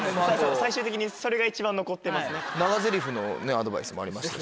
最終的にそれが一番残ってますね。